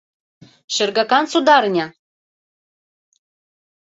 «Шергакан сударыня!